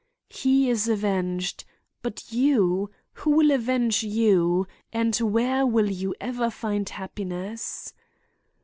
"He is avenged; but you! Who will avenge you, and where will you ever find happiness?